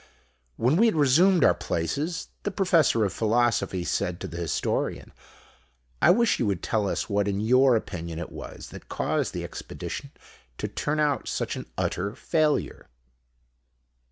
When we had resumed our places the Professor of Philosophy said to the Historian: "I wish you would tell us what in your opinion it was that caused the Expedition to turn out such an utter failure."